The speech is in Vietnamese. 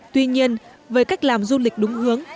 tuy nhiên với cách làm du lịch đúng hướng